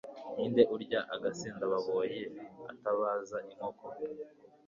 Ninde urya agasendababoyi atabaze inkoko